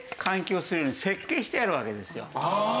ああ！